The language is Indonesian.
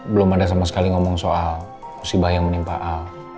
belum ada sama sekali ngomong soal musibah yang menimpa a